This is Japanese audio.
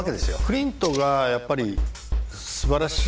クリントがやっぱりすばらしいのは。